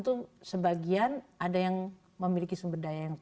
itu juga misal kemampuan ber defuktuahi defuktuarefeit yang langsung menikmati rakyatnya